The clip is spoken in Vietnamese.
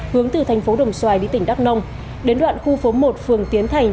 hướng từ tp đồng xoài đi tỉnh đắk nông đến đoạn khu phố một phường tiến thành